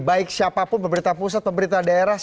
baik siapapun pemerintah pusat pemerintah daerah